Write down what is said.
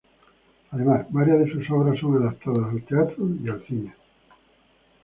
Además, varias de sus obras son adaptadas al teatro y al cine.